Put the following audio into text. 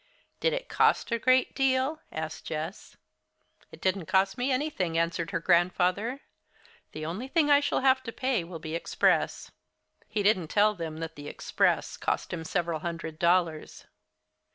"Did it cost a great deal?" asked Jess. "It didn't cost me anything," answered her grandfather. "The only thing I shall have to pay will be express." (He didn't tell them that the express cost him several hundred dollars.)